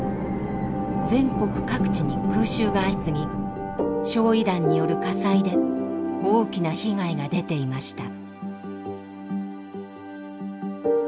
全国各地に空襲が相次ぎ焼夷弾による火災で大きな被害が出ていました。